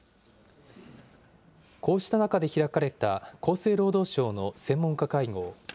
こうした中で開かれた厚生労働省の専門家会合。